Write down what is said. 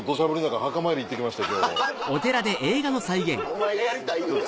お前がやりたい言うた。